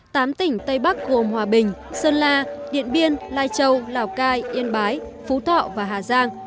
tám tỉnh tây bắc gồm hòa bình sơn la điện biên lai châu lào cai yên bái phú thọ và hà giang